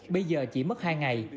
bây giờ chỉ mất hai ngày